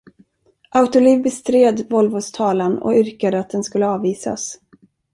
Autoliv bestred Volvos talan och yrkade att den skulle avvisas.